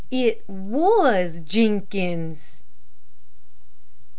It was Jenkins.